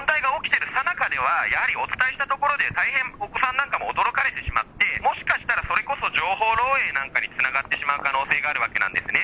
問題が起きているさなかでは、やはりお伝えしたところで、大変、お子さんなんかも驚かれてしまって、もしかしたら、それこそ情報漏えいなんかにつながってしまう可能性があるわけなんですね。